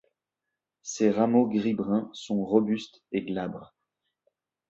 Ses rameaux gris-brun sont robustes et glabres.